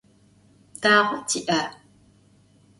Dağe ti'a?